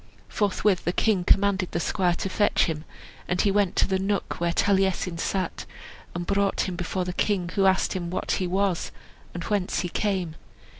Forthwith the king commanded the squire to fetch him; and he went to the nook where Taliesin sat, and brought him before the king, who asked him what he was, and whence he came.